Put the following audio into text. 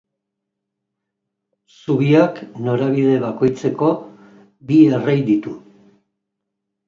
Zubiak norabide bakoitzeko bi errei ditu.